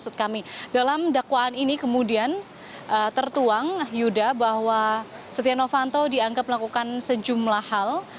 maksud kami dalam dakwaan ini kemudian tertuang yuda bahwa setia novanto dianggap melakukan sejumlah hal